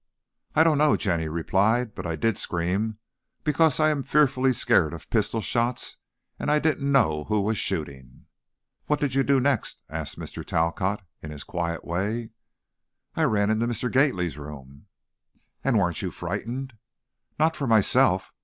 "I don't know," Jenny replied, "but I did scream, because I am fearfully scared of pistol shots, and I didn't know who was shooting." "What did you do next?" asked Mr. Talcott, in his quiet way. "I ran into Mr. Gately's room " "And you weren't frightened?" "Not for myself.